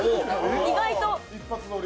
意外と。